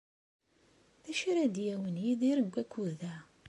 D acu ara d-yawin Yidir deg wakud-a?